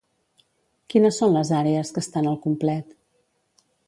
Quines són les àrees que estan al complet?